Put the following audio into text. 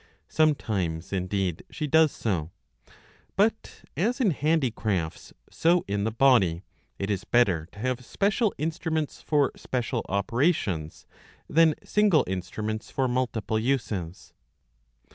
Sometimes, indeed, she does so.^ But as in handicrafts so in the body ; it is better to have special instruments for special operations, than single instruments for multiple uses.